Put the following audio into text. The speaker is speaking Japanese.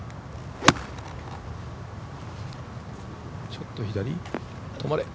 ちょっと左？